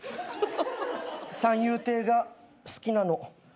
三遊亭が好きなの。